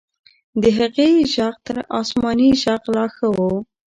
د هغې ږغ تر آسماني ږغ لا ښه و.